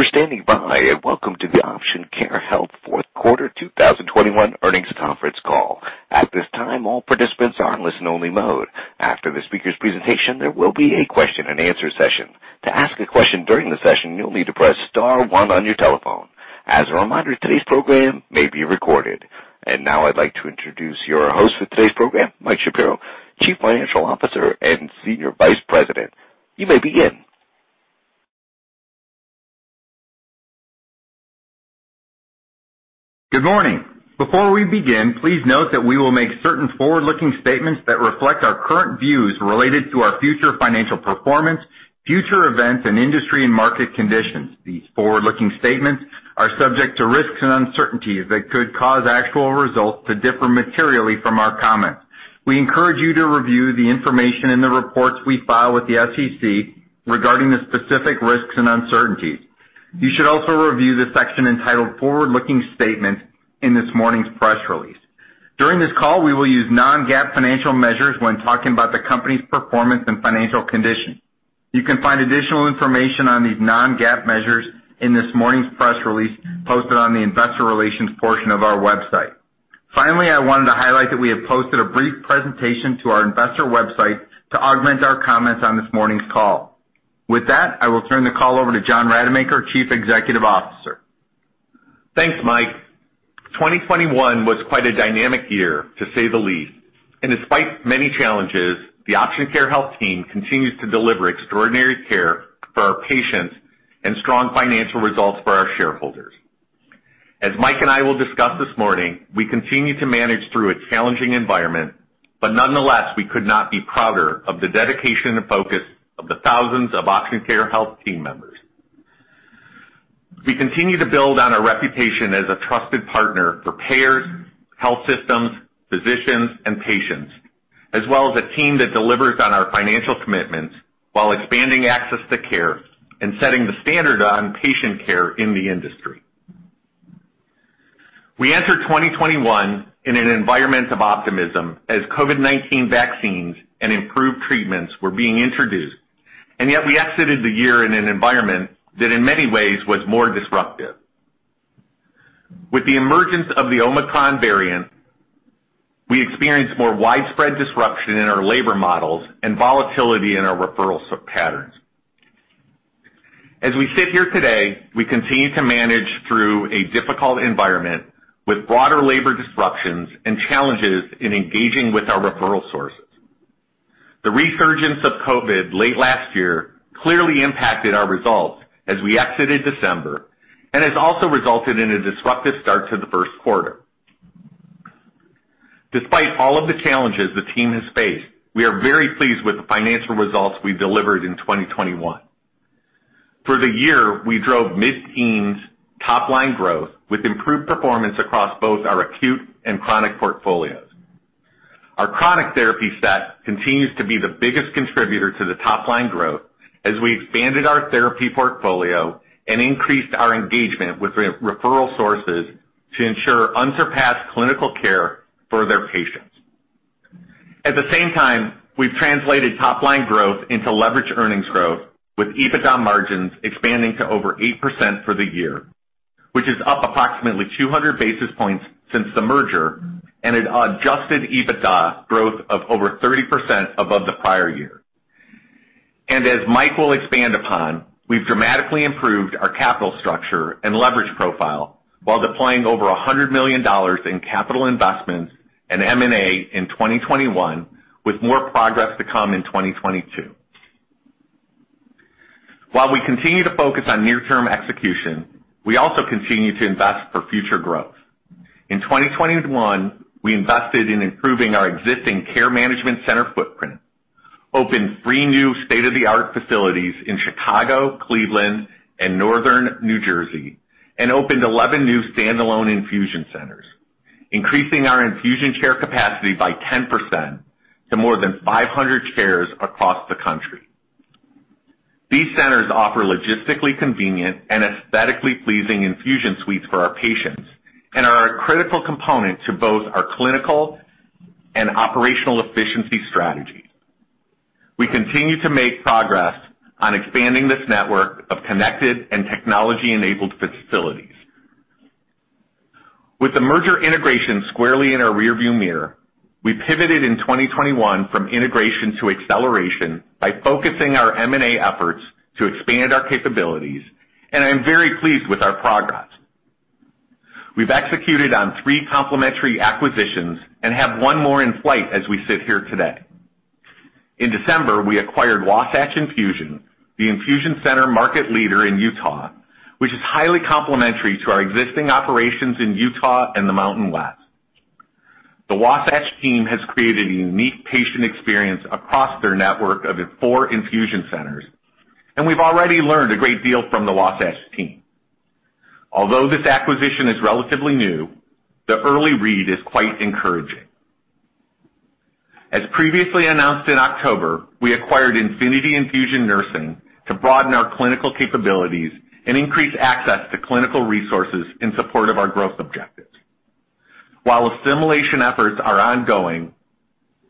Thank you for standing by, and welcome to the Option Care Health Fourth Quarter 2021 Earnings Conference Call. At this time, all participants are in listen-only mode. After the speaker's presentation, there will be a question-and-answer session. To ask a question during the session, you'll need to press star one on your telephone. As a reminder, today's program may be recorded. Now I'd like to introduce your host for today's program, Mike Shapiro, Chief Financial Officer and Senior Vice President. You may begin. Good morning. Before we begin, please note that we will make certain forward-looking statements that reflect our current views related to our future financial performance, future events and industry and market conditions. These forward-looking statements are subject to risks and uncertainties that could cause actual results to differ materially from our comments. We encourage you to review the information in the reports we file with the SEC regarding the specific risks and uncertainties. You should also review the section entitled Forward-Looking Statements in this morning's press release. During this call, we will use non-GAAP financial measures when talking about the company's performance and financial condition. You can find additional information on these non-GAAP measures in this morning's press release posted on the investor relations portion of our website. Finally, I wanted to highlight that we have posted a brief presentation to our investor website to augment our comments on this morning's call. With that, I will turn the call over to John Rademacher, Chief Executive Officer. Thanks, Mike. 2021 was quite a dynamic year, to say the least, and despite many challenges, the Option Care Health team continues to deliver extraordinary care for our patients and strong financial results for our shareholders. As Mike and I will discuss this morning, we continue to manage through a challenging environment, but nonetheless, we could not be prouder of the dedication and focus of the thousands of Option Care Health team members. We continue to build on our reputation as a trusted partner for payers, health systems, physicians, and patients, as well as a team that delivers on our financial commitments while expanding access to care and setting the standard on patient care in the industry. We entered 2021 in an environment of optimism as COVID-19 vaccines and improved treatments were being introduced, and yet we exited the year in an environment that in many ways was more disruptive. With the emergence of the Omicron variant, we experienced more widespread disruption in our labor models and volatility in our referral patterns. As we sit here today, we continue to manage through a difficult environment with broader labor disruptions and challenges in engaging with our referral sources. The resurgence of COVID late last year clearly impacted our results as we exited December and has also resulted in a disruptive start to the first quarter. Despite all of the challenges the team has faced, we are very pleased with the financial results we delivered in 2021. For the year, we drove mid-teens top-line growth with improved performance across both our acute and chronic portfolios. Our chronic therapy set continues to be the biggest contributor to the top line growth as we expanded our therapy portfolio and increased our engagement with referral sources to ensure unsurpassed clinical care for their patients. At the same time, we've translated top line growth into leverage earnings growth with EBITDA margins expanding to over 8% for the year, which is up approximately 200 basis points since the merger and an Adjusted EBITDA growth of over 30% above the prior year. As Mike will expand upon, we've dramatically improved our capital structure and leverage profile while deploying over $100 million in capital investments and M&A in 2021, with more progress to come in 2022. While we continue to focus on near-term execution, we also continue to invest for future growth. In 2021, we invested in improving our existing Care Management Center footprint, opened three new state-of-the-art facilities in Chicago, Cleveland, and Northern New Jersey, and opened 11 new Standalone Infusion Centers, increasing our infusion care capacity by 10% to more than 500 chairs across the country. These centers offer logistically convenient and aesthetically pleasing infusion suites for our patients and are a critical component to both our clinical and operational efficiency strategy. We continue to make progress on expanding this network of connected and technology-enabled facilities. With the merger integration squarely in our rear-view mirror, we pivoted in 2021 from integration to acceleration by focusing our M&A efforts to expand our capabilities, and I'm very pleased with our progress. We've executed on three complementary acquisitions and have one more in flight as we sit here today. In December, we acquired Wasatch Infusion, the infusion center market leader in Utah, which is highly complementary to our existing operations in Utah and the Mountain West. The Wasatch team has created a unique patient experience across their network of four infusion centers, and we've already learned a great deal from the Wasatch team. Although this acquisition is relatively new, the early read is quite encouraging. As previously announced in October, we acquired Infinity Infusion Nursing to broaden our clinical capabilities and increase access to clinical resources in support of our growth objectives. While assimilation efforts are ongoing,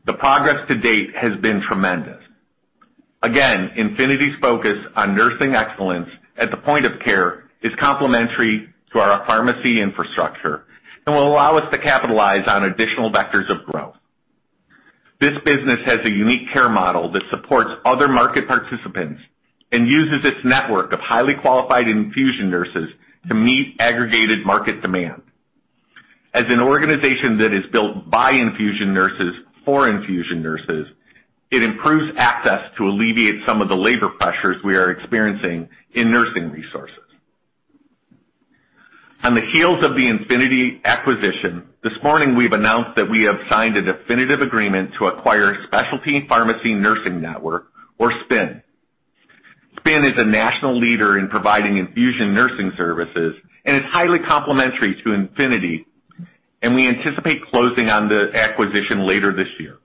the progress to date has been tremendous. Again, Infinity's focus on nursing excellence at the point of care is complementary to our pharmacy infrastructure and will allow us to capitalize on additional vectors of growth. This business has a unique care model that supports other market participants and uses its network of highly qualified infusion nurses to meet aggregated market demand. As an organization that is built by infusion nurses for infusion nurses, it improves access to alleviate some of the labor pressures we are experiencing in nursing resources. On the heels of the Infinity acquisition, this morning, we've announced that we have signed a definitive agreement to acquire Specialty Pharmacy Nursing Network, or SPNN. SPNN is a national leader in providing infusion nursing services, and it's highly complementary to Infinity, and we anticipate closing on the acquisition later this year.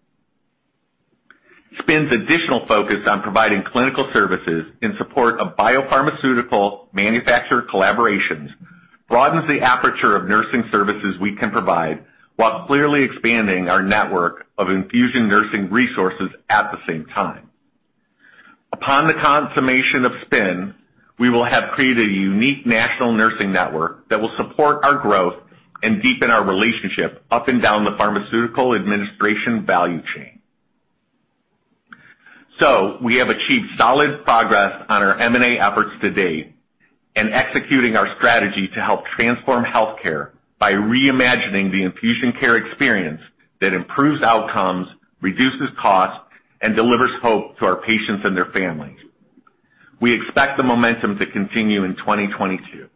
SPNN's additional focus on providing clinical services in support of biopharmaceutical manufacturer collaborations broadens the aperture of nursing services we can provide, while clearly expanding our network of infusion nursing resources at the same time. Upon the consummation of SPNN, we will have created a unique national nursing network that will support our growth and deepen our relationship up and down the pharmaceutical administration value chain. We have achieved solid progress on our M&A efforts to date and executing our strategy to help transform healthcare by reimagining the infusion care experience that improves outcomes, reduces costs, and delivers hope to our patients and their families. We expect the momentum to continue in 2022.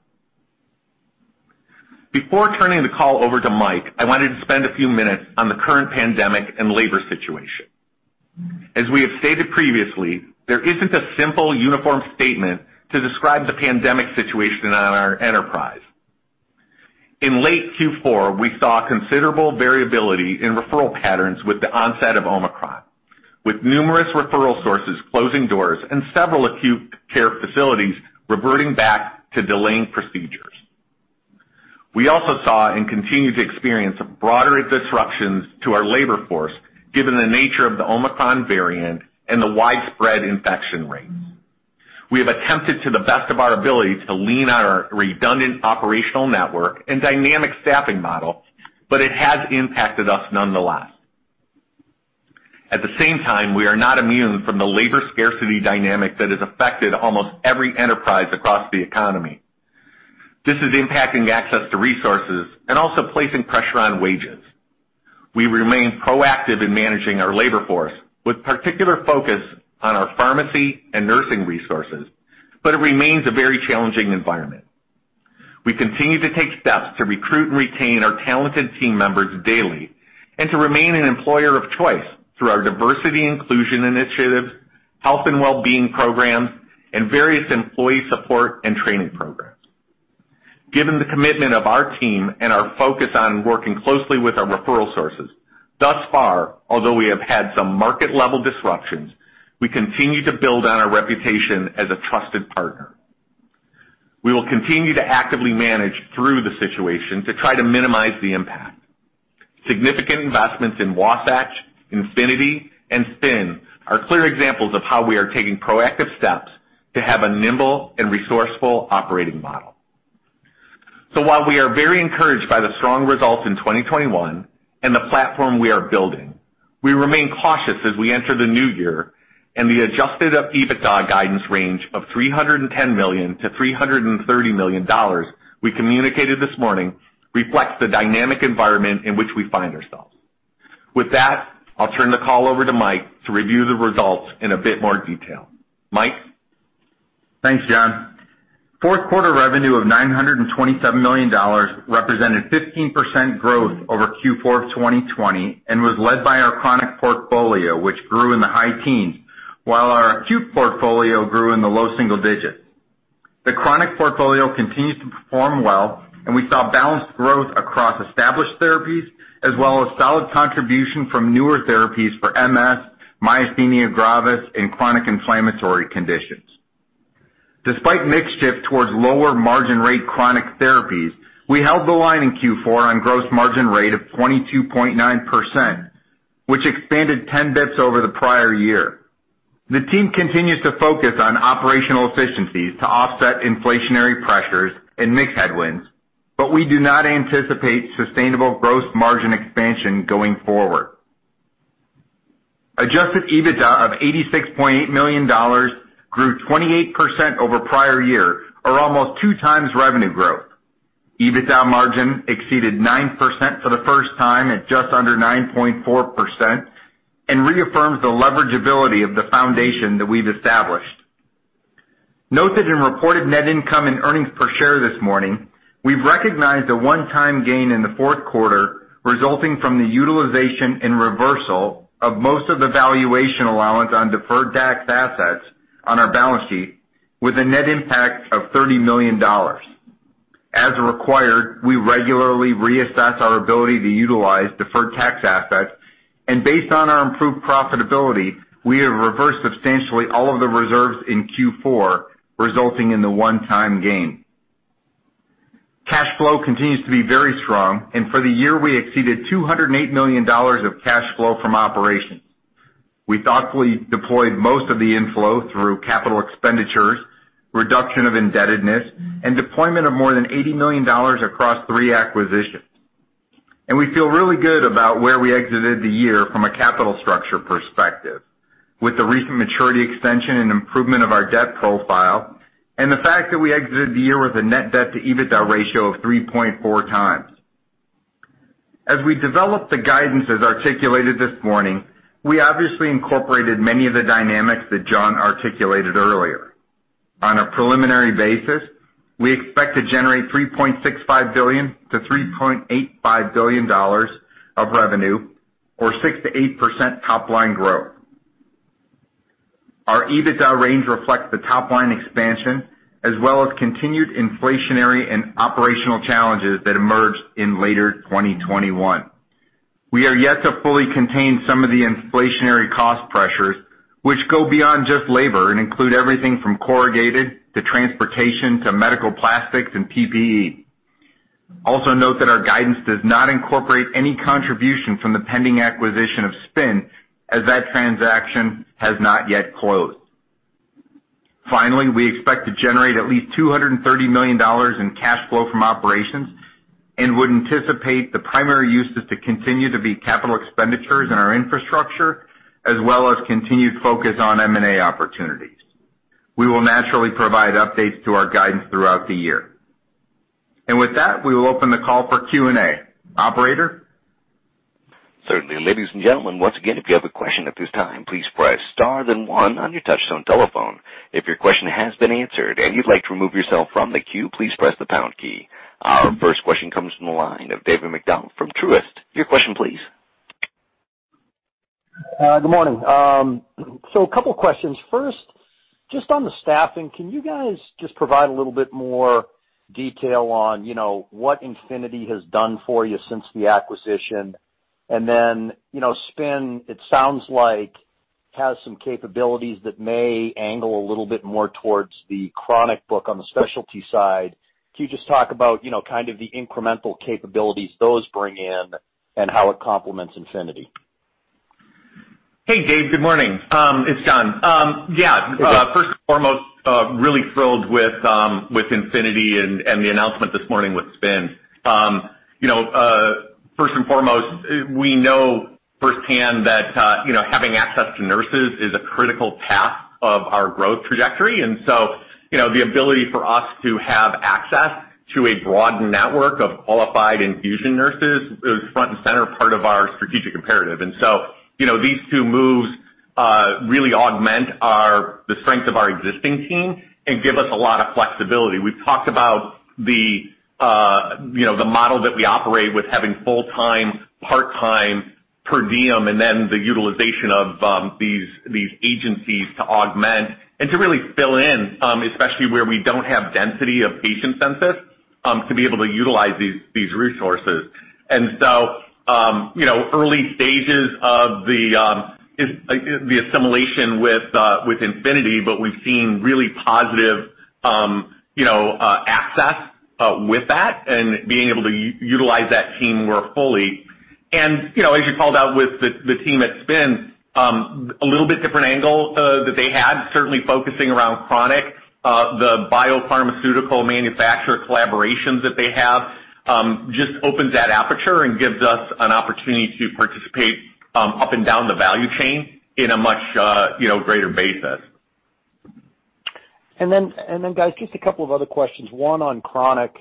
Before turning the call over to Mike, I wanted to spend a few minutes on the current pandemic and labor situation. As we have stated previously, there isn't a simple uniform statement to describe the pandemic situation on our enterprise. In late Q4, we saw considerable variability in referral patterns with the onset of Omicron, with numerous referral sources closing doors and several acute care facilities reverting back to delaying procedures. We also saw and continue to experience broader disruptions to our labor force given the nature of the Omicron variant and the widespread infection rates. We have attempted to the best of our ability to lean on our redundant operational network and dynamic staffing model, but it has impacted us, nonetheless. At the same time, we are not immune from the labor scarcity dynamic that has affected almost every enterprise across the economy. This is impacting access to resources and also placing pressure on wages. We remain proactive in managing our labor force, with particular focus on our pharmacy and nursing resources, but it remains a very challenging environment. We continue to take steps to recruit and retain our talented team members daily and to remain an employer of choice through our diversity inclusion initiatives, health and wellbeing programs, and various employee support and training programs. Given the commitment of our team and our focus on working closely with our referral sources, thus far, although we have had some market-level disruptions, we continue to build on our reputation as a trusted partner. We will continue to actively manage through the situation to try to minimize the impact. Significant investments in Wasatch, Infinity, and SPNN are clear examples of how we are taking proactive steps to have a nimble and resourceful operating model. While we are very encouraged by the strong results in 2021 and the platform we are building, we remain cautious as we enter the new year, and the Adjusted EBITDA guidance range of $310 million-$330 million we communicated this morning reflects the dynamic environment in which we find ourselves. With that, I'll turn the call over to Mike to review the results in a bit more detail. Mike? Thanks, John. Fourth quarter revenue of $927 million represented 15% growth over Q4 of 2020 and was led by our chronic portfolio, which grew in the high teens, while our acute portfolio grew in the low single digits. The chronic portfolio continues to perform well, and we saw balanced growth across established therapies as well as solid contribution from newer therapies for MS, myasthenia gravis, and chronic inflammatory conditions. Despite mix shift towards lower margin rate chronic therapies, we held the line in Q4 on gross margin rate of 22.9%, which expanded 10 basis points over the prior year. The team continues to focus on operational efficiencies to offset inflationary pressures and mix headwinds, but we do not anticipate sustainable gross margin expansion going forward. Adjusted EBITDA of $86.8 million grew 28% over prior year or almost 2x revenue growth. EBITDA margin exceeded 9% for the first time at just under 9.4% and reaffirms the leverageability of the foundation that we've established. Noted in reported net income and earnings per share this morning, we've recognized a one-time gain in the fourth quarter resulting from the utilization and reversal of most of the valuation allowance on deferred tax assets on our balance sheet with a net impact of $30 million. As required, we regularly reassess our ability to utilize deferred tax assets. Based on our improved profitability, we have reversed substantially all of the reserves in Q4, resulting in the one-time gain. Cash flow continues to be very strong, and for the year, we exceeded $208 million of cash flow from operations. We thoughtfully deployed most of the inflow through capital expenditures, reduction of indebtedness, and deployment of more than $80 million across three acquisitions. We feel really good about where we exited the year from a capital structure perspective. With the recent maturity extension and improvement of our debt profile and the fact that we exited the year with a net debt to EBITDA ratio of 3.4x. As we developed the guidance as articulated this morning, we obviously incorporated many of the dynamics that John articulated earlier. On a preliminary basis, we expect to generate $3.65 billion-$3.85 billion of revenue or 6%-8% top line growth. Our EBITDA range reflects the top line expansion as well as continued inflationary and operational challenges that emerged in later 2021. We are yet to fully contain some of the inflationary cost pressures, which go beyond just labor and include everything from corrugated to transportation to medical plastics and PPE. Also note that our guidance does not incorporate any contribution from the pending acquisition of SPNN as that transaction has not yet closed. Finally, we expect to generate at least $230 million in cash flow from operations and would anticipate the primary use is to continue to be capital expenditures in our infrastructure as well as continued focus on M&A opportunities. We will naturally provide updates to our guidance throughout the year. With that, we will open the call for Q&A. Operator? Certainly. Ladies and gentlemen, once again, if you have a question at this time, please press star then one on your touch tone telephone. If your question has been answered and you'd like to remove yourself from the queue, please press the pound key. Our first question comes from the line of David MacDonald from Truist. Your question, please. Good morning. A couple of questions. First, just on the staffing, can you guys just provide a little bit more detail on, you know, what Infinity has done for you since the acquisition? Then, you know, SPNN, it sounds like, has some capabilities that may angle a little bit more towards the chronic book on the specialty side. Can you just talk about, you know, kind of the incremental capabilities those bring in and how it complements Infinity? Hey, Dave. Good morning. It's John. First and foremost, really thrilled with Infinity and the announcement this morning with SPNN. You know, first and foremost, we know firsthand that you know, having access to nurses is a critical path of our growth trajectory. You know, the ability for us to have access to a broad network of qualified infusion nurses is front and center part of our strategic imperative. You know, these two moves really augment the strength of our existing team and give us a lot of flexibility. We've talked about the, you know, the model that we operate with having full-time, part-time, per diem, and then the utilization of these agencies to augment and to really fill in, especially where we don't have density of patient census, to be able to utilize these resources. You know, early stages of the assimilation with Infinity, but we've seen really positive, you know, access with that and being able to utilize that team more fully. You know, as you called out with the team at SPNN, a little bit different angle that they had, certainly focusing around the biopharmaceutical manufacturer collaborations that they have, just opens that aperture and gives us an opportunity to participate up and down the value chain in a much greater basis. Guys, just a couple of other questions. One on chronic,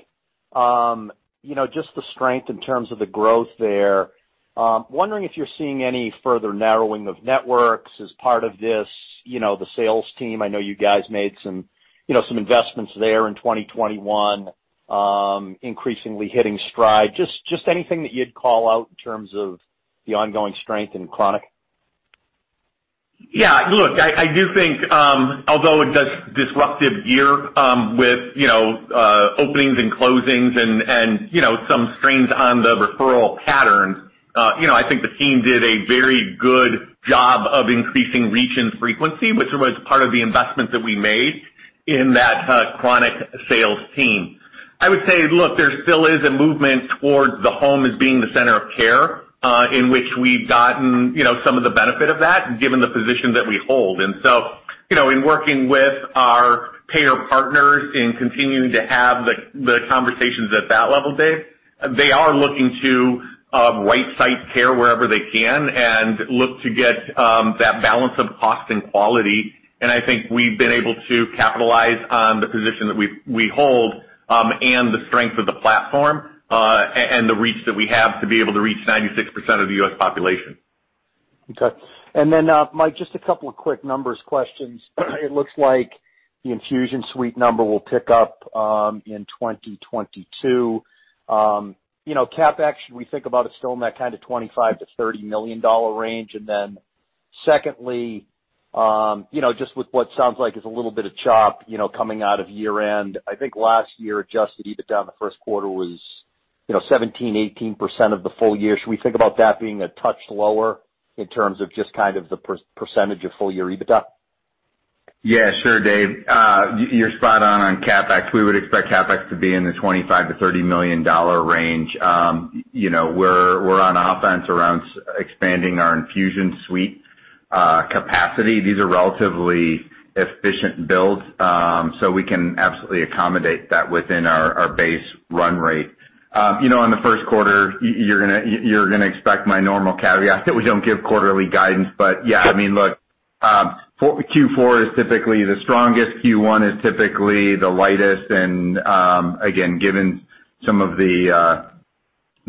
you know, just the strength in terms of the growth there. Wondering if you're seeing any further narrowing of networks as part of this, you know, the sales team. I know you guys made some, you know, some investments there in 2021, increasingly hitting stride. Just anything that you'd call out in terms of the ongoing strength in chronic. Yeah. Look, I do think, although a disruptive year, with you know openings and closings and you know some strains on the referral patterns, you know, I think the team did a very good job of increasing reach and frequency, which was part of the investment that we made in that chronic sales team. I would say, look, there still is a movement towards the home as being the center of care, in which we've gotten you know some of the benefit of that, given the position that we hold. You know, in working with our payer partners in continuing to have the conversations at that level, Dave, they are looking to right-site care wherever they can and look to get that balance of cost and quality. I think we've been able to capitalize on the position that we hold, and the strength of the platform, and the reach that we have to be able to reach 96% of the U.S. population. Okay. Mike, just a couple of quick numbers questions. It looks like the infusion suite number will pick up in 2022. You know, CapEx, should we think about it still in that kind of $25 million-$30 million range? Secondly, you know, just with what sounds like is a little bit of chop, you know, coming out of year-end. I think last year, Adjusted EBITDA in the first quarter was, you know, 17%-18% of the full year. Should we think about that being a touch lower in terms of just kind of the percentage of full year EBITDA? Yeah, sure, Dave. You're spot on on CapEx. We would expect CapEx to be in the $25 million-$30 million range. You know, we're on offense around expanding our infusion suite capacity. These are relatively efficient builds, so we can absolutely accommodate that within our base run rate. You know, in the first quarter, you're going to expect my normal caveat that we don't give quarterly guidance. But yeah, I mean, look, for Q4 is typically the strongest, Q1 is typically the lightest. Again, given some of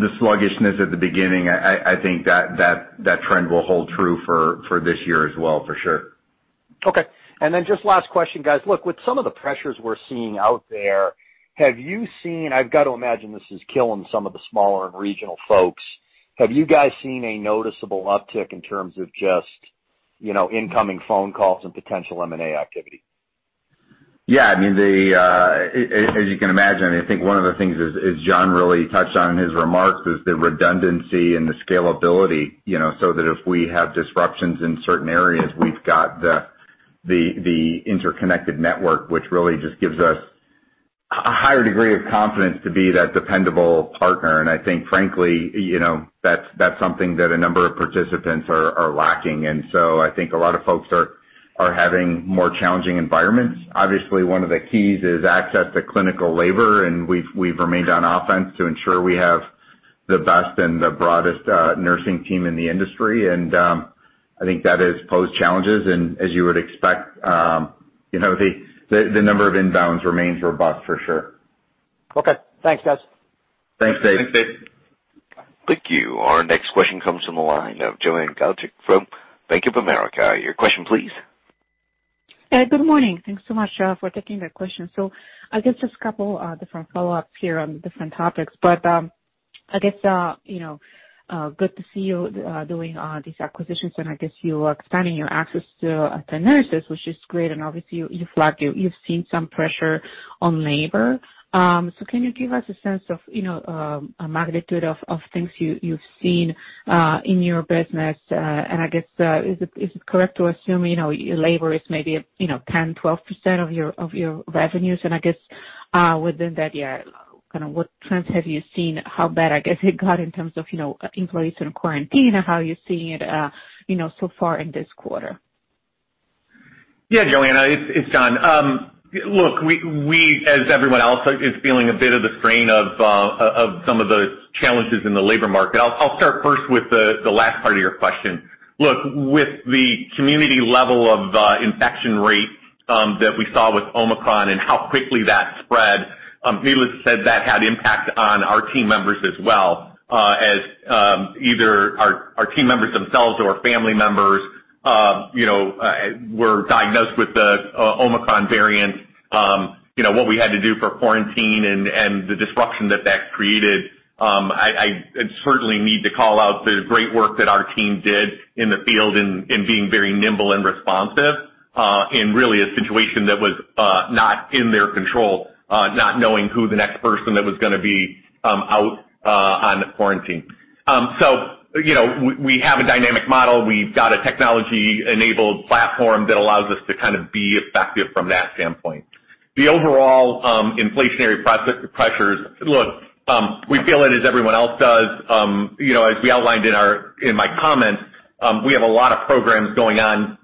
the sluggishness at the beginning, I think that trend will hold true for this year as well for sure. Okay. Just last question, guys. Look, with some of the pressures we're seeing out there, have you seen? I've got to imagine this is killing some of the smaller and regional folks. Have you guys seen a noticeable uptick in terms of just, you know, incoming phone calls and potential M&A activity? Yeah. I mean, as you can imagine, I think one of the things is John really touched on in his remarks is the redundancy and the scalability, you know, so that if we have disruptions in certain areas, we've got the interconnected network, which really just gives us a higher degree of confidence to be that dependable partner. I think frankly, you know, that's something that a number of participants are lacking. I think a lot of folks are having more challenging environments. Obviously, one of the keys is access to clinical labor, and we've remained on offense to ensure we have the best and the broadest nursing team in the industry. I think that has posed challenges. As you would expect, you know, the number of inbounds remains robust for sure. Okay. Thanks, guys. Thanks, Dave. Thank you. Our next question comes from the line of Joanna Gajuk from Bank of America. Your question please. Good morning. Thanks so much for taking the question. I guess just a couple different follow-ups here on different topics. I guess you know, good to see you doing these acquisitions and I guess you expanding your access to nurses, which is great. Obviously, you flag you've seen some pressure on labor. Can you give us a sense of you know a magnitude of things you've seen in your business? I guess is it correct to assume you know labor is maybe you know 10%-12% of your revenues? I guess, within that year, kind of what trends have you seen, how bad I guess it got in terms of, you know, employees in quarantine and how you're seeing it, you know, so far in this quarter? Yeah, Joanna, it's John. Look, we, as everyone else, is feeling a bit of the strain of some of the challenges in the labor market. I'll start first with the last part of your question. Look, with the community level of infection rates that we saw with Omicron and how quickly that spread, needless to say, that had impact on our team members as well as either our team members themselves or family members, you know, were diagnosed with the Omicron variant. You know, what we had to do for quarantine and the disruption that that created, I certainly need to call out the great work that our team did in the field in being very nimble and responsive, in really a situation that was not in their control, not knowing who the next person that was going to be out on quarantine. You know, we have a dynamic model. We've got a technology-enabled platform that allows us to kind of be effective from that standpoint. The overall inflationary pressures, look, we feel it as everyone else does. You know, as we outlined in my comments, we have a lot of programs going on,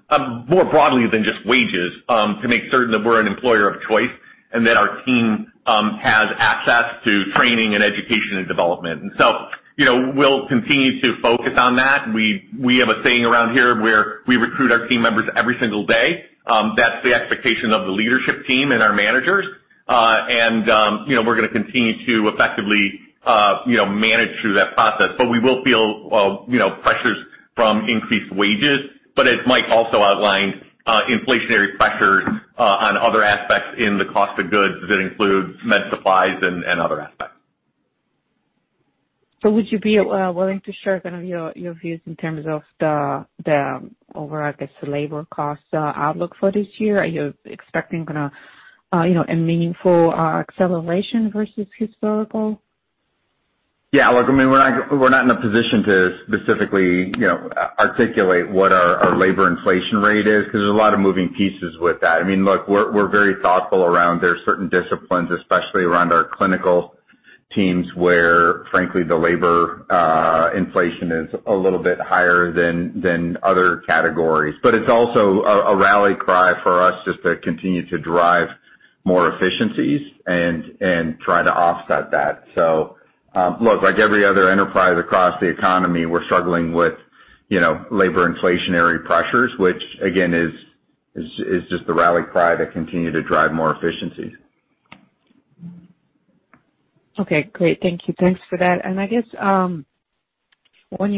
more broadly than just wages, to make certain that we're an employer of choice and that our team has access to training and education and development. You know, we'll continue to focus on that. We have a saying around here where we recruit our team members every single day. That's the expectation of the leadership team and our managers. You know, we're going to continue to effectively manage through that process. We will feel pressures from increased wages. As Mike also outlined, inflationary pressures on other aspects in the cost of goods that include med supplies and other aspects. Would you be willing to share kind of your views in terms of the overall, I guess, labor cost outlook for this year? Are you expecting kind of you know a meaningful acceleration versus historical? Yeah. Look, I mean, we're not in a position to specifically, you know, articulate what our labor inflation rate is because there's a lot of moving pieces with that. I mean, look, we're very thoughtful around, there are certain disciplines, especially around our clinical teams, where frankly the labor inflation is a little bit higher than other categories. It's also a rally cry for us just to continue to drive more efficiencies and try to offset that. Look, like every other enterprise across the economy, we're struggling with, you know, labor inflationary pressures, which again is just the rally cry to continue to drive more efficiencies. Okay, great. Thank you. Thanks for that. I guess when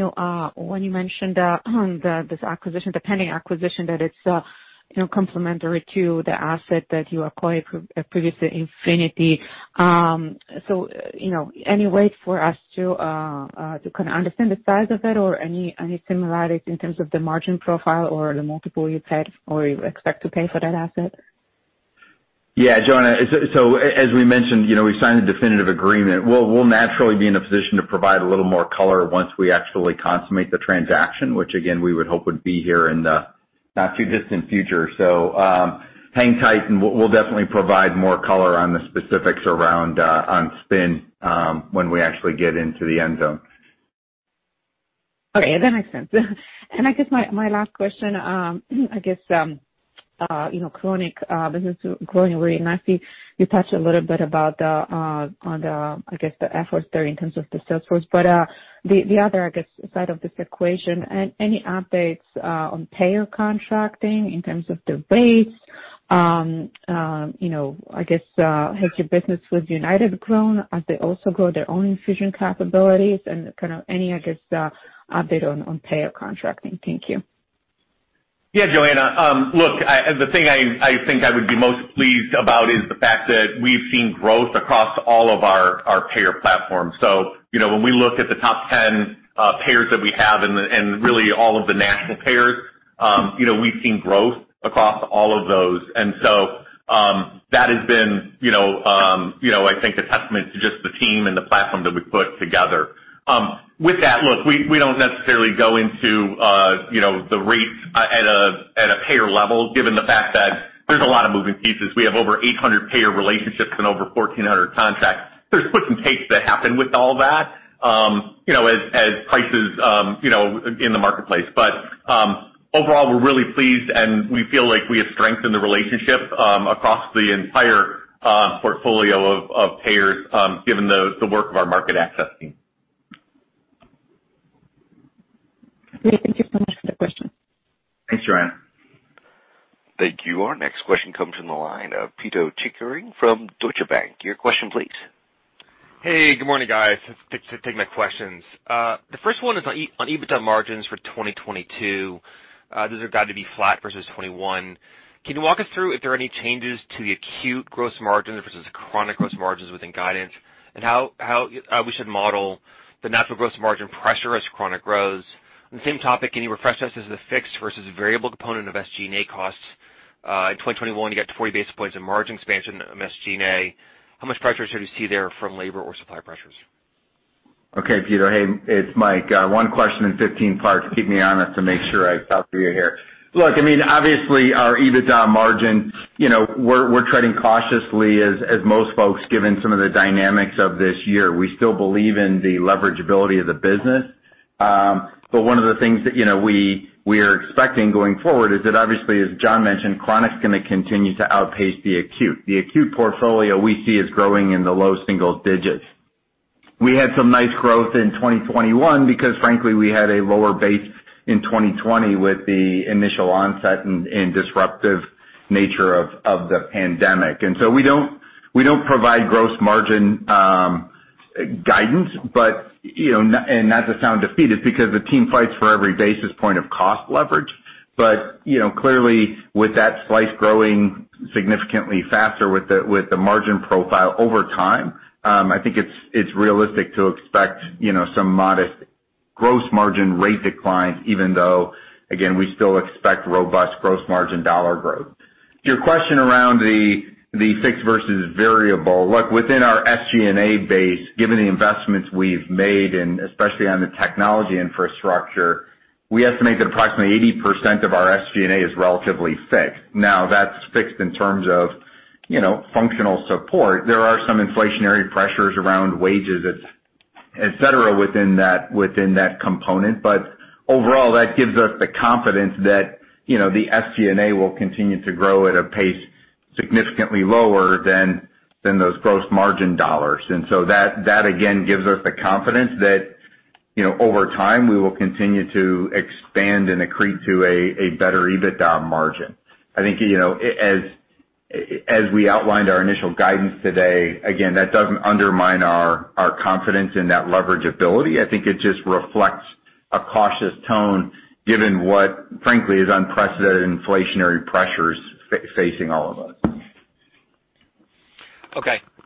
you mentioned this acquisition, the pending acquisition, that it's you know complementary to the asset that you acquired previously, Infinity, so you know any way for us to kind of understand the size of it or any similarities in terms of the margin profile or the multiple you paid or you expect to pay for that asset? Yeah, Joanna, as we mentioned, you know, we signed a definitive agreement. We'll naturally be in a position to provide a little more color once we actually consummate the transaction, which again, we would hope would be here in the not too distant future. Hang tight and we'll definitely provide more color on the specifics around on SPNN when we actually get into the end zone. Okay, that makes sense. I guess my last question, you know, chronic business growth rate, and I see you touched a little bit about the efforts there in terms of the sales force. The other side of this equation, any updates on payer contracting in terms of the rates? You know, I guess, has your business with United grown as they also grow their own infusion capabilities? Kind of any update on payer contracting? Thank you. Yeah, Joanna. The thing I think I would be most pleased about is the fact that we've seen growth across all of our payer platforms. You know, when we look at the top 10 payers that we have and really all of the national payers, you know, we've seen growth across all of those. That has been, you know, I think a testament to just the team and the platform that we put together. We don't necessarily go into you know, the rates at a payer level, given the fact that there's a lot of moving pieces. We have over 800 payer relationships and over 1,400 contracts. There's give and takes that happen with all that, you know, as prices, you know, in the marketplace. Overall, we're really pleased, and we feel like we have strengthened the relationships across the entire portfolio of payers, given the work of our market access team. Great. Thank you so much for the question. Thanks, Joanna. Thank you. Our next question comes from the line of Pito Chickering from Deutsche Bank. Your question please. Hey, good morning, guys. Thanks for taking my questions. The first one is on own EBITDA margins for 2022. Those are guided to be flat versus 2021. Can you walk us through if there are any changes to the acute gross margins versus chronic gross margins within guidance, and how we should model the natural gross margin pressure as chronic grows? On the same topic, can you refresh us on the fixed versus variable component of SG&A costs? In 2021, you got 40 basis points in margin expansion in SG&A. How much pressure should we see there from labor or supply pressures? Okay, Pito. Hey, it's Mike. One question in 15 parts. Keep me honest to make sure I talk to you here. Look, I mean, obviously our EBITDA margin, you know, we're treading cautiously as most folks, given some of the dynamics of this year. We still believe in the leverageability of the business. But one of the things that, you know, we're expecting going forward is that obviously, as John mentioned, chronic's going to continue to outpace the acute. The acute portfolio we see is growing in the low single digits. We had some nice growth in 2021 because frankly, we had a lower base in 2020 with the initial onset and disruptive nature of the pandemic. We don't provide gross margin guidance, but you know, and not to sound defeated because the team fights for every basis point of cost leverage. Clearly, with that slice growing significantly faster with the margin profile over time, I think it's realistic to expect, you know, some modest gross margin rate declines, even though, again, we still expect robust gross margin dollar growth. To your question around the fixed versus variable. Look, within our SG&A base, given the investments we've made, and especially on the technology infrastructure, we estimate that approximately 80% of our SG&A is relatively fixed. Now, that's fixed in terms of, you know, functional support. There are some inflationary pressures around wages, et cetera, within that component, but overall, that gives us the confidence that, you know, the SG&A will continue to grow at a pace significantly lower than those gross margin dollars. That again gives us the confidence that, you know, over time, we will continue to expand and accrete to a better EBITDA margin. I think, you know, as we outlined our initial guidance today, again, that doesn't undermine our confidence in that leverageability. I think it just reflects a cautious tone given what, frankly, is unprecedented inflationary pressures facing all of us.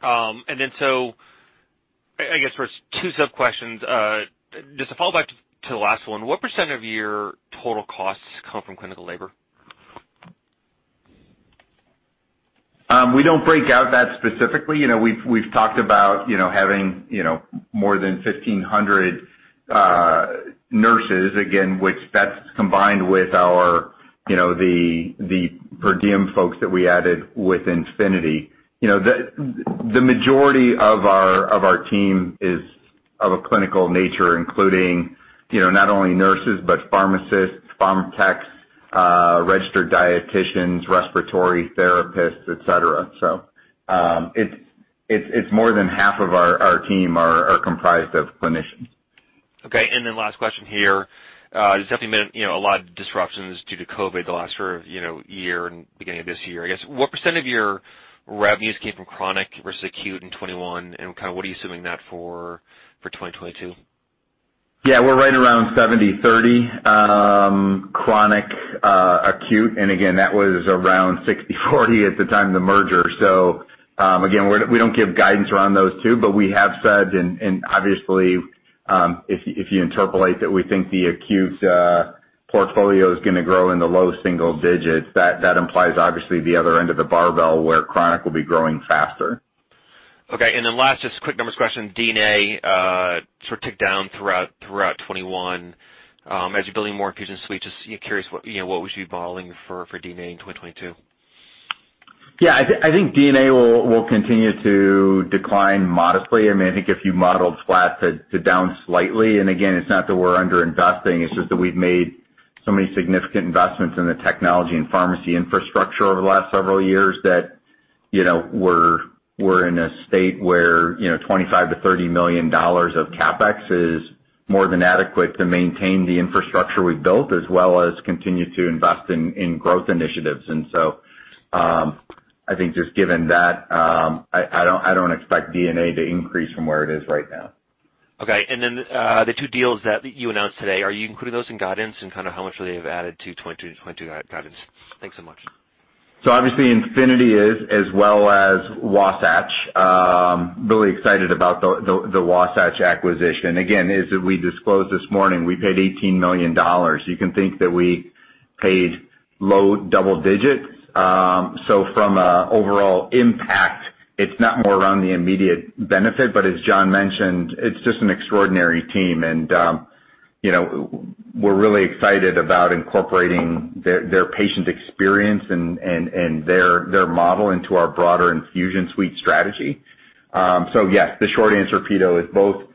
I guess for two sub-questions. Just to follow back to the last one, what % of your total costs come from clinical labor? We don't break out that specifically. You know, we've talked about you know, having you know, more than 1,500 nurses, again, which that's combined with our you know, the per diem folks that we added with Infinity. You know, the majority of our team is of a clinical nature, including you know, not only nurses, but pharmacists, pharm techs, registered dietitians, respiratory therapists, et cetera. It's more than half of our team are comprised of clinicians. Okay, last question here. There's definitely been, you know, a lot of disruptions due to COVID the last sort of, you know, year and beginning of this year. I guess, what % of your revenues came from chronic versus acute in 2021, and kind of what are you assuming that for 2022? Yeah, we're right around 70/30, chronic, acute, and again, that was around 60/40 at the time of the merger. Again, we don't give guidance around those two, but we have said, and obviously, if you interpolate that we think the acute portfolio is going to grow in the low single digits. That implies obviously the other end of the barbell where chronic will be growing faster. Okay. Last, just quick numbers question. D&A sort of ticked down throughout 2021. As you're building more infusion suites, just you know curious what, you know, what was your modeling for D&A in 2022? Yeah, I think D&A will continue to decline modestly. I mean, I think if you modeled flat to down slightly, and again, it's not that we're under-investing, it's just that we've made so many significant investments in the technology and pharmacy infrastructure over the last several years that, you know, we're in a state where, you know, $25 million-$30 million of CapEx is more than adequate to maintain the infrastructure we've built, as well as continue to invest in growth initiatives. I think just given that, I don't expect D&A to increase from where it is right now. Okay. The two deals that you announced today, are you including those in guidance and kind of how much will they have added to 2022 guidance? Thanks so much. Obviously, Infinity, as well as Wasatch. Really excited about the Wasatch acquisition. Again, as we disclosed this morning, we paid $18 million. You can think that we paid low double digits. From an overall impact, it's not so much around the immediate benefit, but as John mentioned, it's just an extraordinary team and, you know, we're really excited about incorporating their patient experience and their model into our broader infusion suite strategy. Yes, the short answer, Pito, is both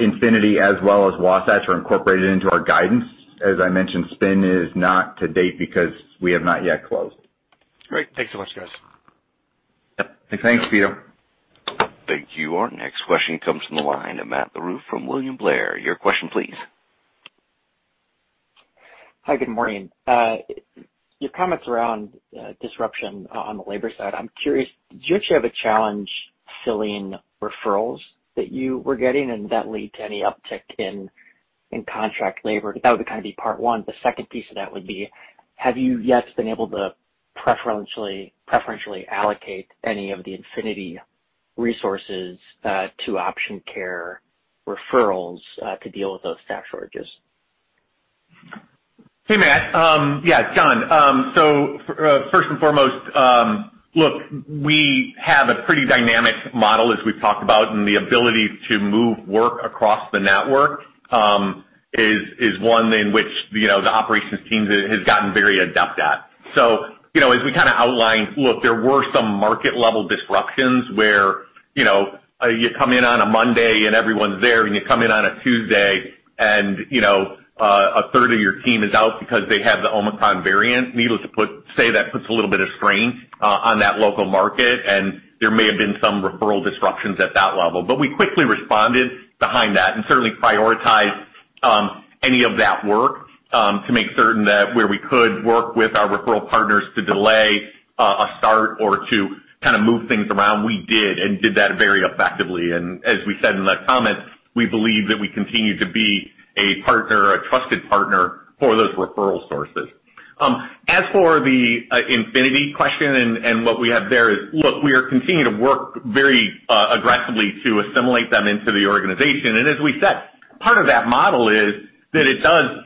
Infinity as well as Wasatch are incorporated into our guidance. As I mentioned, SPNN is not to date because we have not yet closed. Great. Thanks so much, guys. Yep. Thanks, Pito. Thank you. Our next question comes from the line of Matt Larew from William Blair. Your question please. Hi, good morning. Your comments around disruption on the labor side, I'm curious, did you actually have a challenge filling referrals that you were getting and did that lead to any uptick in contract labor? That would kind of be part one. The second piece of that would be, have you yet been able to preferentially allocate any of the Infinity resources to Option Care referrals to deal with those staff shortages? Hey, Matt. Yeah, John. First and foremost, look, we have a pretty dynamic model, as we've talked about, and the ability to move work across the network is one in which, you know, the operations team has gotten very adept at. You know, as we kind of outlined, look, there were some market level disruptions where, you know, you come in on a Monday and everyone's there, and you come in on a Tuesday and, you know, 1/3 of your team is out because they have the Omicron variant. Needless to say, that puts a little bit of strain on that local market, and there may have been some referral disruptions at that level. We quickly responded behind that and certainly prioritized any of that work to make certain that where we could work with our referral partners to delay a start or to kind of move things around, we did and did that very effectively. As we said in the comments, we believe that we continue to be a partner, a trusted partner for those referral sources. As for the Infinity question and what we have there is, look, we are continuing to work very aggressively to assimilate them into the organization. As we said, part of that model is that it does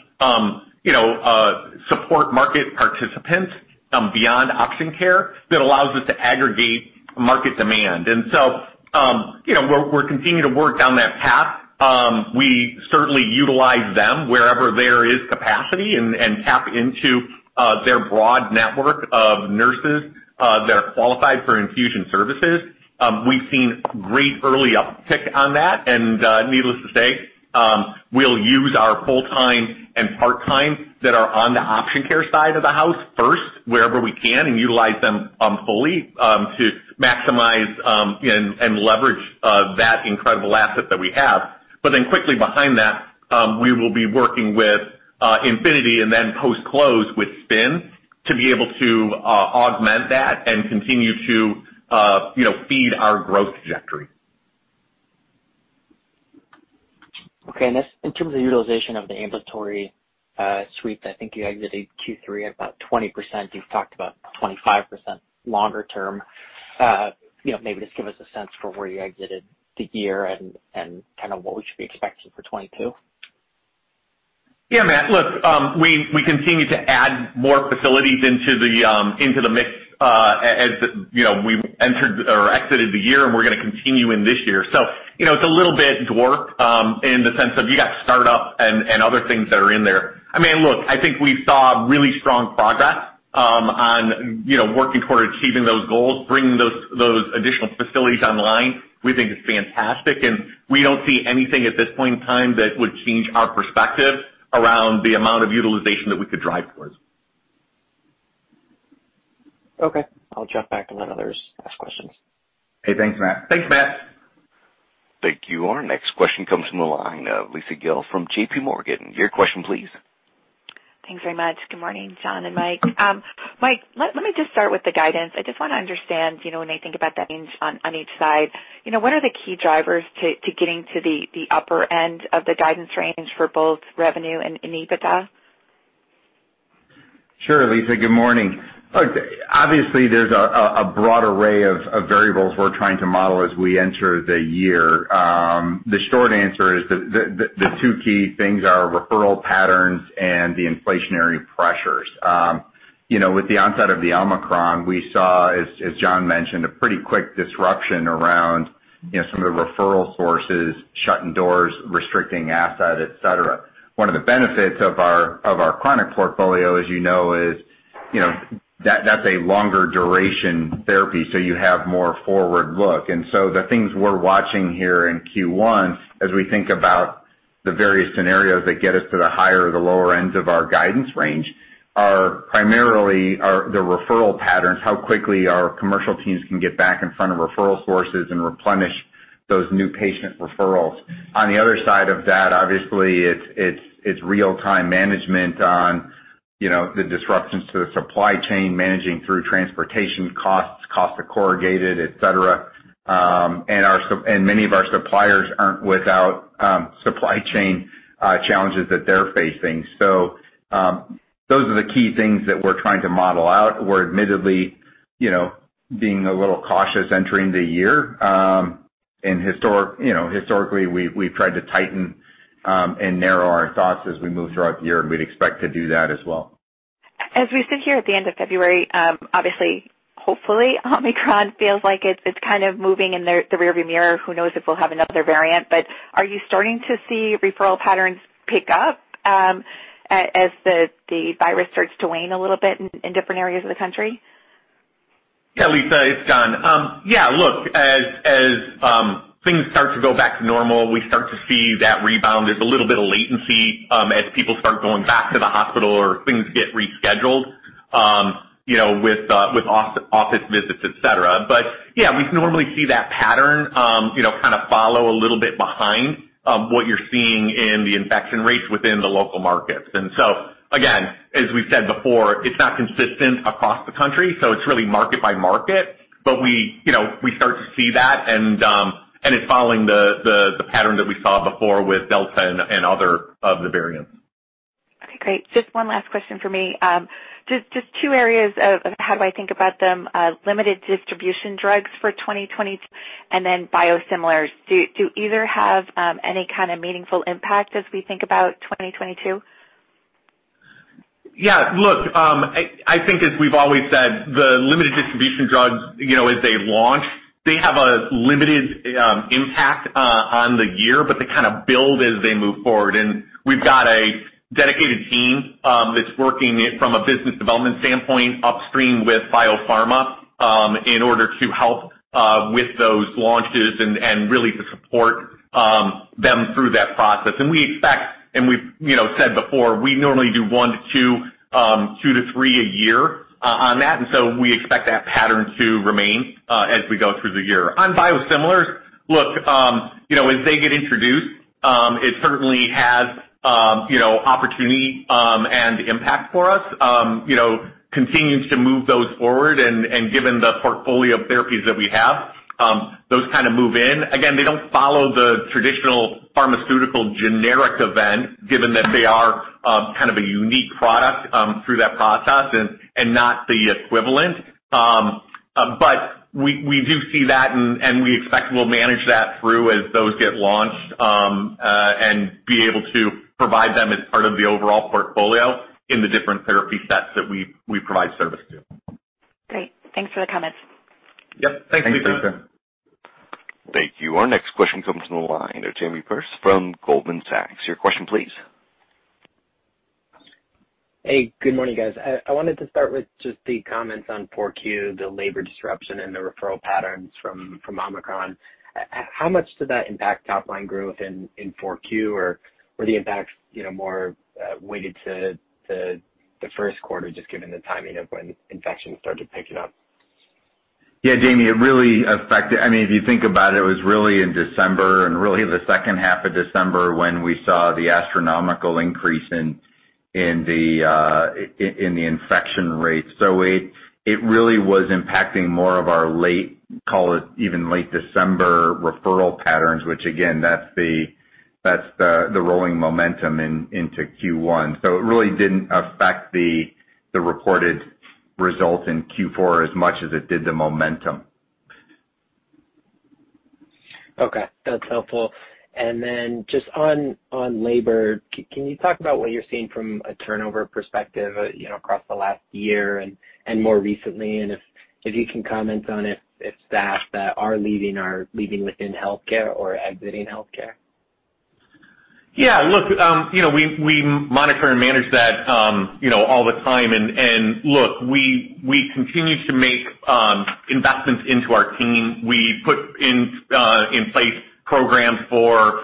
you know support market participants beyond Option Care that allows us to aggregate market demand. You know, we're continuing to work down that path. We certainly utilize them wherever there is capacity and tap into their broad network of nurses that are qualified for infusion services. We've seen great early uptick on that, and needless to say, we'll use our full-time and part-time that are on the Option Care side of the house first wherever we can and utilize them fully to maximize and leverage that incredible asset that we have. Quickly behind that, we will be working with Infinity and then post-close with SPNN to be able to augment that and continue to you know feed our growth trajectory. Just in terms of utilization of the ambulatory suite, I think you exited Q3 at about 20%. You've talked about 25% longer term. You know, maybe just give us a sense for where you exited the year and kind of what we should be expecting for 2022. Yeah, Matt. Look, we continue to add more facilities into the mix, as you know, we entered and exited the year and we're going to continue in this year. You know, it's a little bit dwarfed in the sense of you got startup and other things that are in there. I mean, look, I think we saw really strong progress on working toward achieving those goals, bringing those additional facilities online. We think it's fantastic, and we don't see anything at this point in time that would change our perspective around the amount of utilization that we could drive towards. Okay. I'll check back and let others ask questions. Hey, thanks, Matt. Thanks, Matt. Thank you. Our next question comes from the line of Lisa Gill from JPMorgan. Your question please. Thanks very much. Good morning, John and Mike. Mike, let me just start with the guidance. I just want to understand, you know, when I think about that range on each side. You know, what are the key drivers to getting to the upper end of the guidance range for both revenue and EBITDA? Sure, Lisa. Good morning. Look, obviously there's a broad array of variables we're trying to model as we enter the year. The short answer is the two key things are referral patterns and the inflationary pressures. You know, with the onset of the Omicron, we saw, as John mentioned, a pretty quick disruption around, you know, some of the referral sources shutting doors, restricting access, et cetera. One of the benefits of our chronic portfolio, as you know, is, you know, that's a longer duration therapy, so you have more forward look. The things we're watching here in Q1 as we think about the various scenarios that get us to the higher or the lower ends of our guidance range are primarily the referral patterns, how quickly our commercial teams can get back in front of referral sources and replenish those new patient referrals. On the other side of that, obviously it's real-time management on, you know, the disruptions to the supply chain, managing through transportation costs, cost of corrugated, et cetera. And many of our suppliers aren't without supply chain challenges that they're facing. Those are the key things that we're trying to model out. We're admittedly, you know, being a little cautious entering the year. Historically, you know, we've tried to tighten and narrow our thoughts as we move throughout the year, and we'd expect to do that as well. As we sit here at the end of February, obviously, hopefully, Omicron feels like it's kind of moving in the rearview mirror. Who knows if we'll have another variant. Are you starting to see referral patterns pick up, as the virus starts to wane a little bit in different areas of the country? Yeah, Lisa, it's John. Yeah, look, as things start to go back to normal, we start to see that rebound. There's a little bit of latency, as people start going back to the hospital or things get rescheduled, you know, with out-of-office visits, et cetera. Yeah, we normally see that pattern, you know, kind of follow a little bit behind what you're seeing in the infection rates within the local markets. Again, as we've said before, it's not consistent across the country, so it's really market by market. We, you know, we start to see that and it's following the pattern that we saw before with Delta and other of the variants. Okay, great. Just one last question for me. Just two areas of how do I think about them, limited distribution drugs for 2020, and then biosimilars. Do either have any kind of meaningful impact as we think about 2022? Yeah. Look, I think as we've always said, the limited distribution drugs, you know, as they launch, they have a limited impact on the year, but they kind of build as they move forward. We've got a dedicated team that's working it from a business development standpoint upstream with biopharma in order to help with those launches and really to support them through that process. We expect, and we've you know said before, we normally do two to three a year on that. We expect that pattern to remain as we go through the year. On biosimilars, look, you know, as they get introduced, it certainly has you know opportunity and impact for us. You know, continues to move those forward and given the portfolio of therapies that we have, those kind of move in. Again, they don't follow the traditional pharmaceutical generic event given that they are kind of a unique product through that process and not the equivalent. But we do see that and we expect we'll manage that through as those get launched and be able to provide them as part of the overall portfolio in the different therapy sets that we provide service to. Great. Thanks for the comments. Yep. Thanks, Lisa. Thank you. Our next question comes from the line of Jamie Perse from Goldman Sachs. Your question please. Hey, good morning, guys. I wanted to start with just the comments on 4Q, the labor disruption and the referral patterns from Omicron. How much did that impact top line growth in 4Q, or were the impacts, you know, more weighted to the first quarter just given the timing of when infections started picking up? Yeah, Jamie, it really affected. I mean, if you think about it was really in December and really the second half of December when we saw the astronomical increase in the infection rates. It really was impacting more of our late, call it even late December referral patterns, which again, that's the rolling momentum into Q1. It really didn't affect the reported results in Q4 as much as it did the momentum. Okay. That's helpful. Just on labor, can you talk about what you're seeing from a turnover perspective, you know, across the last year and more recently? If you can comment on if staff that are leaving are leaving within healthcare or exiting healthcare? Yeah. Look, you know, we monitor and manage that, you know, all the time. Look, we continue to make investments into our team. We put in place programs for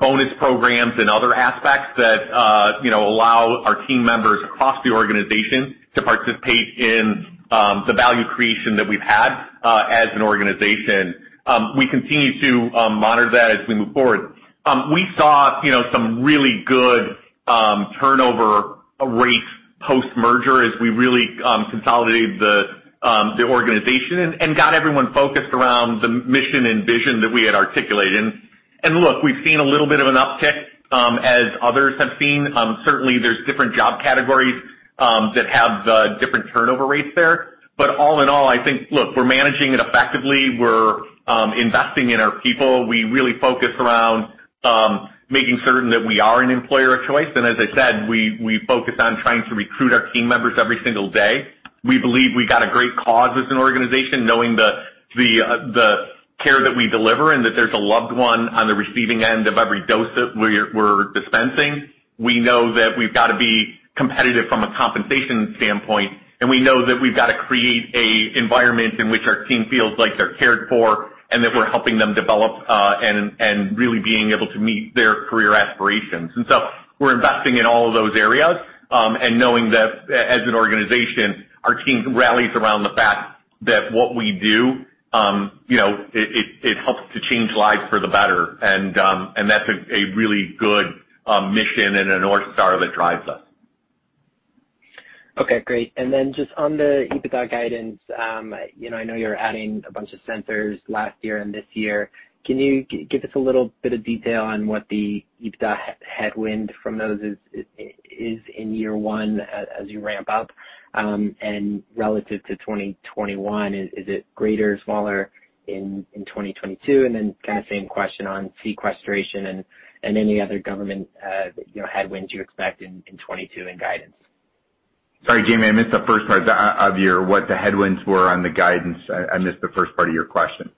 bonus programs and other aspects that, you know, allow our team members across the organization to participate in the value creation that we've had as an organization. We continue to monitor that as we move forward. We saw, you know, some really good turnover rates post-merger as we really consolidated the organization and got everyone focused around the mission and vision that we had articulated. Look, we've seen a little bit of an uptick as others have seen. Certainly, there's different job categories that have the different turnover rates there. All in all, I think, look, we're managing it effectively. We're investing in our people. We really focus around making certain that we are an employer of choice. As I said, we focus on trying to recruit our team members every single day. We believe we got a great cause as an organization, knowing the care that we deliver and that there's a loved one on the receiving end of every dose that we're dispensing. We know that we've got to be competitive from a compensation standpoint, and we know that we've got to create an environment in which our team feels like they're cared for and that we're helping them develop and really being able to meet their career aspirations. We're investing in all of those areas, and knowing that as an organization, our team rallies around the fact that what we do, you know, it helps to change lives for the better. That's a really good mission and a north star that drives us. Okay, great. Then just on the EBITDA guidance, you know, I know you're adding a bunch of centers last year and this year. Can you give us a little bit of detail on what the EBITDA headwind from those is in year one as you ramp up, and relative to 2021, is it greater, smaller in 2022? Then kind of same question on sequestration and any other government, you know, headwinds you expect in 2022 in guidance. Sorry, Jamie, I missed the first part of your what the headwinds were on the guidance. I missed the first part of your question.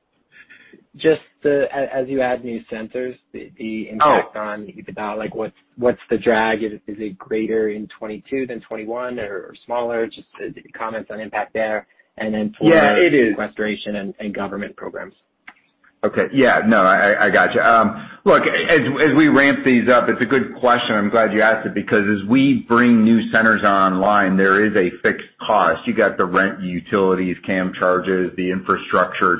Just as you add new centers, the impact. Oh. On EBITDA, like what's the drag? Is it greater in 2022 than 2021 or smaller? Just comments on impact there. Then for- Yeah, it is. Sequestration and government programs. Okay. Yeah. No, I got you. Look, as we ramp these up, it's a good question. I'm glad you asked it, because as we bring new centers online, there is a fixed cost. You got the rent, utilities, CAM charges, the infrastructure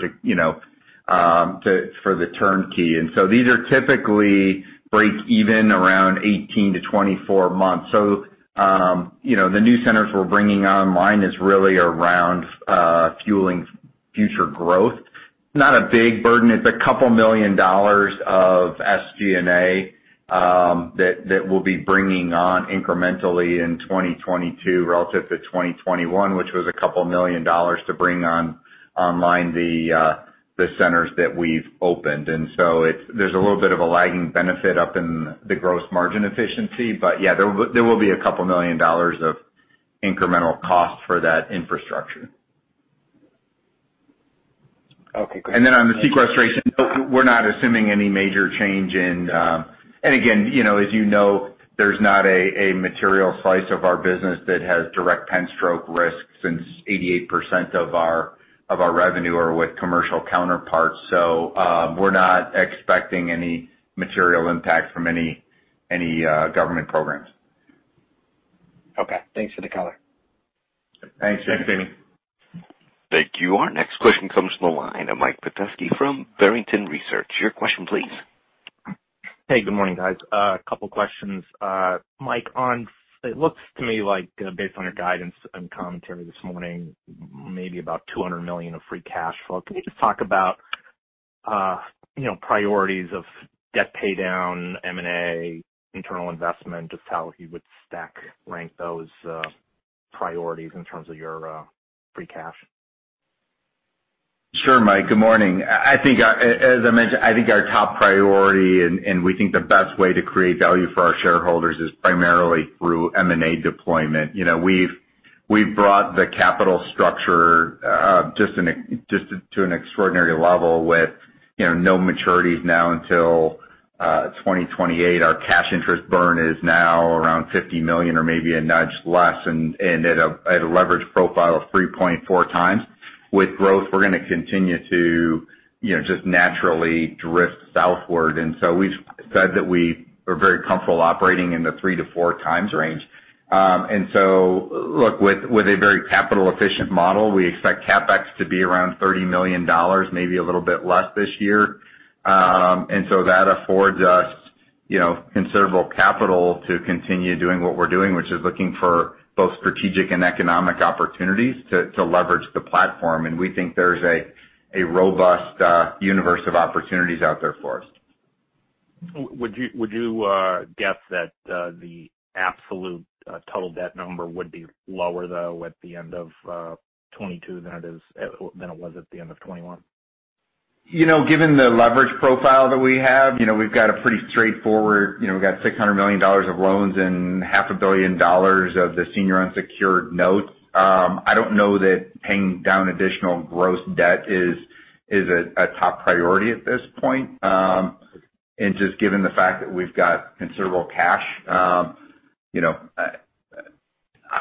for the turnkey. These are typically break even around 18-24 months. The new centers we're bringing online is really around fueling future growth. Not a big burden. It's a couple of million dollars of SG&A that we'll be bringing on incrementally in 2022 relative to 2021, which was million dollars to bring online the centers that we've opened. It's a little bit of a lagging benefit up in the gross margin efficiency. Yeah, there will be a couple million dollars of incremental cost for that infrastructure. Okay, great. On the sequestration, we're not assuming any major change in. Again, you know, as you know, there's not a material slice of our business that has direct pen stroke risk, since 88% of our revenue are with commercial counterparts. We're not expecting any material impact from any government programs. Okay. Thanks for the color. Thanks, Jamie. Thank you. Our next question comes from the line of Mike Petusky from Barrington Research. Your question please. Hey, good morning, guys. A couple questions. Mike, on... It looks to me like, based on your guidance and commentary this morning, maybe about $200 million of free cash flow. Can you just talk about, you know, priorities of debt pay down, M&A, internal investment, just how you would stack rank those, priorities in terms of your, free cash? Sure, Mike. Good morning. I think as I mentioned, I think our top priority, and we think the best way to create value for our shareholders is primarily through M&A deployment. You know, we've brought the capital structure just to an extraordinary level with, you know, no maturities now until 2028. Our cash interest burn is now around $50 million or maybe a nudge less, and at a leverage profile of 3.4x. With growth, we're going to continue to, you know, just naturally drift southward. We've said that we are very comfortable operating in the 3-4x range. Look, with a very capital efficient model, we expect CapEx to be around $30 million, maybe a little bit less this year. That affords us, you know, considerable capital to continue doing what we're doing, which is looking for both strategic and economic opportunities to leverage the platform. We think there's a robust universe of opportunities out there for us. Would you guess that the absolute total debt number would be lower, though, at the end of 2022 than it was at the end of 2021? You know, given the leverage profile that we have, you know, we've got a pretty straightforward, you know, we've got $600 million of loans and $0.5 billion of the senior unsecured notes. I don't know that paying down additional gross debt is a top priority at this point. Just given the fact that we've got considerable cash, you know,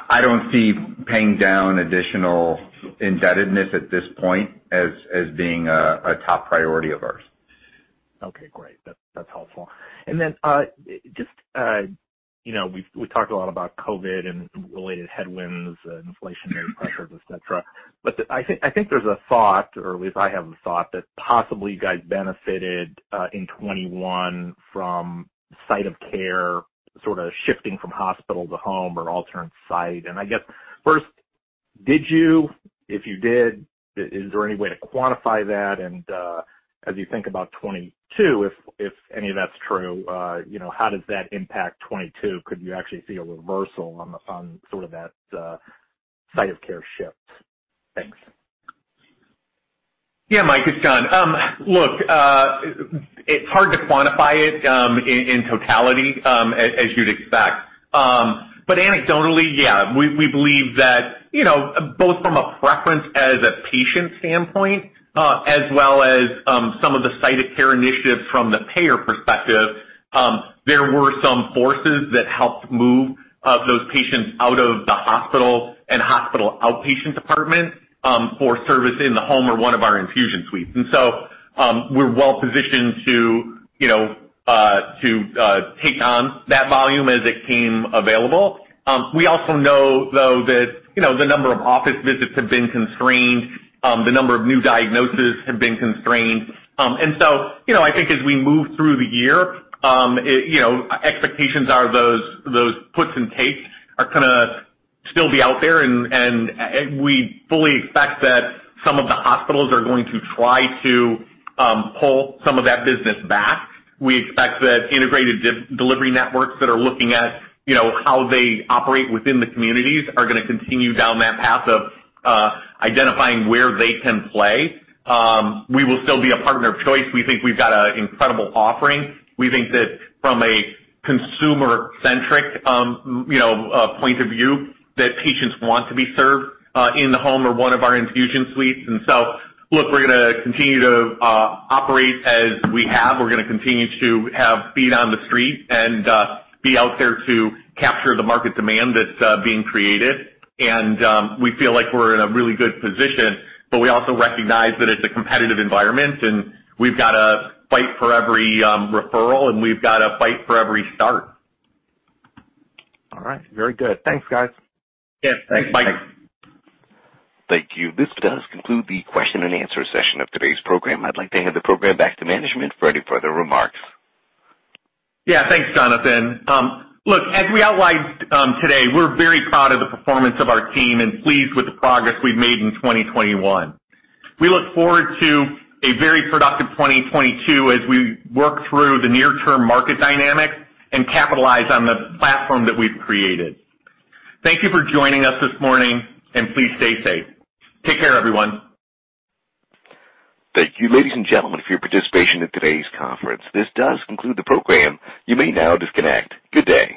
I don't see paying down additional indebtedness at this point as being a top priority of ours. Okay, great. That's helpful. Then, just, you know, we've talked a lot about COVID and related headwinds and inflationary pressures, et cetera. I think there's a thought, or at least I have a thought that possibly you guys benefited in 2021 from site of care, sort of shifting from hospital to home or alternate site. I guess, did you? If you did, is there any way to quantify that? As you think about 2022, if any of that's true, you know, how does that impact 2022? Could you actually see a reversal on the on sort of that site of care shift? Thanks. Yeah, Mike, it's John. Look, it's hard to quantify it, in totality, as you'd expect. But anecdotally, yeah, we believe that, you know, both from a preference as a patient standpoint, as well as some of the site of care initiatives from the payer perspective, there were some forces that helped move those patients out of the hospital and hospital outpatient department, for service in the home or one of our infusion suites. We're well-positioned to, you know, take on that volume as it came available. We also know, though, that, you know, the number of office visits have been constrained, the number of new diagnoses have been constrained. You know, I think as we move through the year, you know, expectations are those puts and takes are going to still be out there. And we fully expect that some of the hospitals are going to try to pull some of that business back. We expect that integrated delivery networks that are looking at, you know, how they operate within the communities are going to continue down that path of identifying where they can play. We will still be a partner of choice. We think we've got an incredible offering. We think that from a consumer-centric, you know, point of view, that patients want to be served in the home or one of our infusion suites. Look, we're going to continue to operate as we have. We're going to continue to have feet on the street and be out there to capture the market demand that's being created. We feel like we're in a really good position, but we also recognize that it's a competitive environment and we've got to fight for every referral, and we've got to fight for every start. All right. Very good. Thanks, guys. Yeah. Thanks, Mike. Thank you. This does conclude the question-and-answer session of today's program. I'd like to hand the program back to management for any further remarks. Yeah. Thanks, Jonathan. Look, as we outlined today, we're very proud of the performance of our team and pleased with the progress we've made in 2021. We look forward to a very productive 2022 as we work through the near-term market dynamics and capitalize on the platform that we've created. Thank you for joining us this morning, and please stay safe. Take care, everyone. Thank you, ladies and gentlemen, for your participation in today's conference. This does conclude the program. You may now disconnect. Good day.